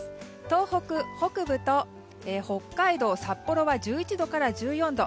東北北部と北海道札幌は１１度から１４度。